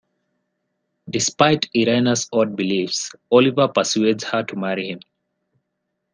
Despite Irena's odd beliefs, Oliver persuades her to marry him.